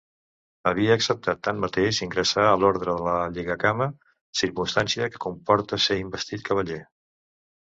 Havia acceptat tanmateix ingressar a l'Orde de la Lligacama, circumstància que comporta ser investit cavaller.